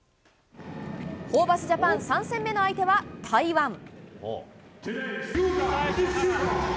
ホーバスジャパン３戦目の相手は台湾。